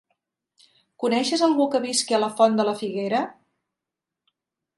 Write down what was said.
Coneixes algú que visqui a la Font de la Figuera?